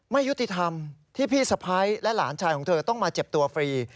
ไม่ยุติธรรมที่พี่สะพ้ายและหลานชายของเธอต้องมาเจ็บตัวฟรี